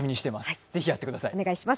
ぜひやってください。